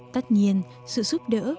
tất nhiên sự giúp đỡ